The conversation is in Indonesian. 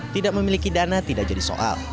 tidak memiliki dana tidak jadi soal